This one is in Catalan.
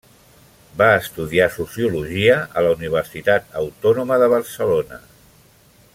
Va estudiar sociologia a la Universitat Autònoma de Barcelona.